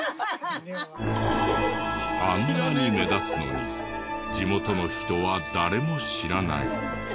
あんなに目立つのに地元の人は誰も知らない。